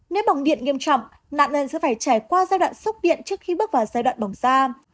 nếu bỏng điện nghiêm trọng nạn nhân sẽ phải trải qua giai đoạn sốc điện trước khi bước vào giai đoạn bỏng da